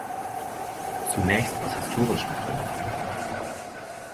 Zunächst aus historischen Gründen.